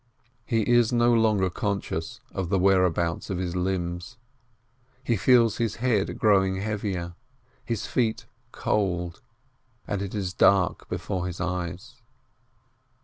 He is no longer conscious of the whereabouts of his limbs, he feels his head growing heavier, his feet cold, and it is dark before his eyes.